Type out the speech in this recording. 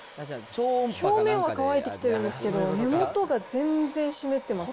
表面は乾いてきてるんですけど、根元が全然湿ってます。